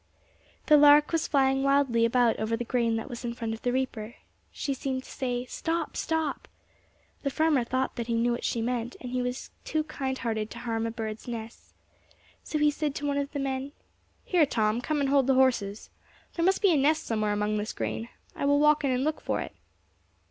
The lark was flying wildly about over the grain that was in front of the reaper. She seemed to say, "Stop! stop!" The farmer thought that he knew what she meant, and he was too kind hearted to harm a bird's nest. So he said to one of the men, "Here, Tom, come and hold the horses. There must be a nest somewhere among this grain. I will walk in and look for it."